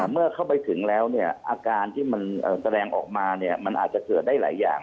เมื่อเข้าไปถึงแล้วเนี่ยอาการที่มันแสดงออกมาเนี่ยมันอาจจะเกิดได้หลายอย่าง